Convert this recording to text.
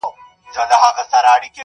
پوهېږم نه چي بيا په څه راته قهريږي ژوند,